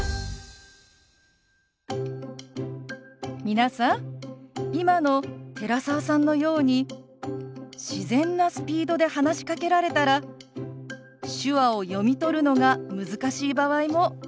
皆さん今の寺澤さんのように自然なスピードで話しかけられたら手話を読み取るのが難しい場合もありますよね。